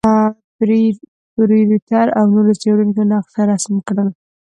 فرېټر او نورو څېړونکو نقشه رسم کړل.